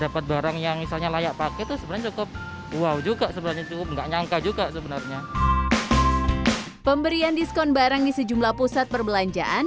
pemberian diskon barang di sejumlah pusat perbelanjaan